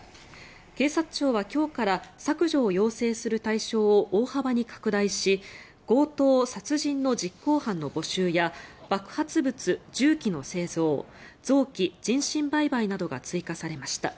警察庁は今日から削除を要請する対象を大幅に拡大し強盗・殺人の実行犯の募集や爆発物・銃器の製造臓器・人身売買などが追加されました。